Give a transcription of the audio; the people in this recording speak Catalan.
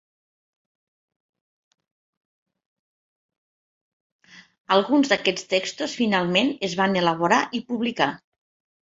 Alguns d'aquests textos finalment es van elaborar i publicar.